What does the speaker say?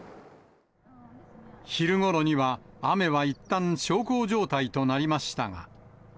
昼頃には雨はいったん小康状態となりましたが。